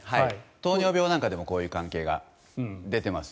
糖尿病なんかでもこういう関係が出ています。